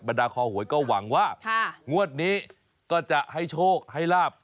ดาคอหวยก็หวังว่างวดนี้ก็จะให้โชคให้ลาบ